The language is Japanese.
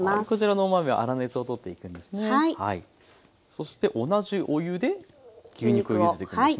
そして同じお湯で牛肉をゆでていくんですね。